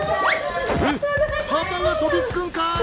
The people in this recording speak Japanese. パパが飛びつくんかーい！